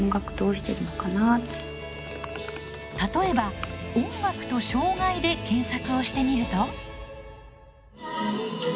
例えば「音楽」と「障がい」で検索をしてみると。